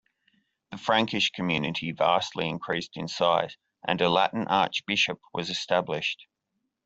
The Frankish community vastly increased in size and a Latin archbishop was established.